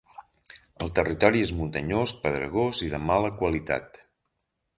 El territori és muntanyós, pedregós i de mala qualitat.